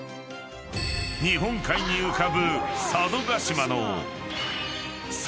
［日本海に浮かぶ佐渡島の］